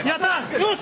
よし！